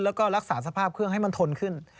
แล้วก็รักษาสภาพเครื่องให้มันทนขึ้น